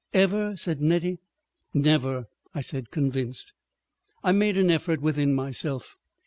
"Ever?" said Nettie. "Never," I said, convinced. I made an effort within myself.